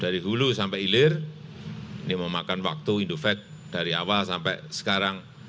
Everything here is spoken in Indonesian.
dari dulu sampai ilir ini memakan waktu indovac dari awal sampai sekarang